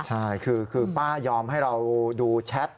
ใช่คือป้ายอมให้เราดูแชท